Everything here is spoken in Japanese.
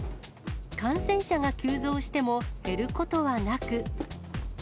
感染者が急増しても、減ることはなく。